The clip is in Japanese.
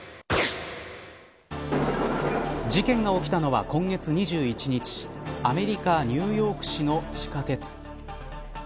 事件が起きたのは今月２１日アメリカニューヨーク市の地下鉄。